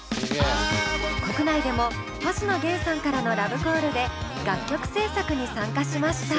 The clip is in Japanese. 国内でも星野源さんからのラブコールで楽曲制作に参加しました。